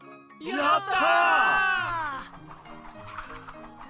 やった！